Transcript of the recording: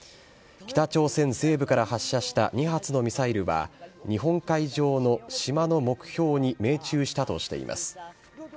北朝鮮西部から発射した２発のミサイルは、日本海上の島の目標に命中したとしています。